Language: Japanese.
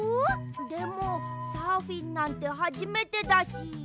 でもサーフィンなんてはじめてだし。